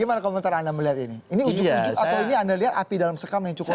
gimana komentar anda melihat ini ini ujug ujug atau ini anda lihat api dalam sekam yang cukup